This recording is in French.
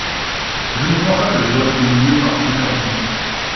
Je ne crois pas que le vote ait eu lieu par scrutin public.